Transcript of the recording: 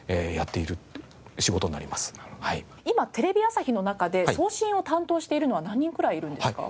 今テレビ朝日の中で送信を担当しているのは何人くらいいるんですか？